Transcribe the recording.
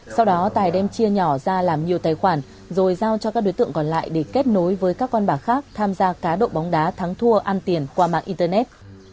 sau đó tài đem chia nhỏ ra làm nhiều tài khoản rồi giao cho các đối tượng còn lại để kết nối với các con bạc khác tham gia cá độ bóng đá thắng thua ăn tiền qua mạng internet